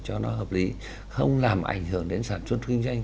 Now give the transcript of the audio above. cho nó hợp lý không làm ảnh hưởng đến sản xuất kinh doanh